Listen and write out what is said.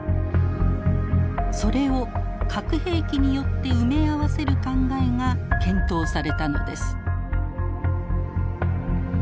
それを核兵器によって埋め合わせる考えが検討されたのです。